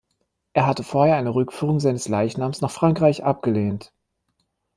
Er hatte vorher eine Rückführung seines Leichnams nach Frankreich abgelehnt.